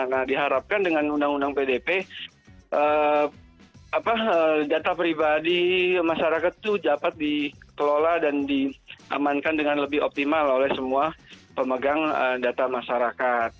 nah diharapkan dengan undang undang pdp data pribadi masyarakat itu dapat dikelola dan diamankan dengan lebih optimal oleh semua pemegang data masyarakat